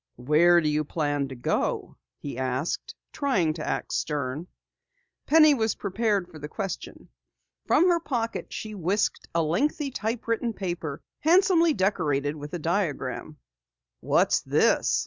"Where do you plan to go?" he asked, trying to act stern. Penny was prepared for the question. From her pocket she whisked a lengthy typewritten paper, handsomely decorated with a diagram. "What's this?"